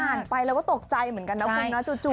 ไปเราก็ตกใจเหมือนกันนะคุณนะจู่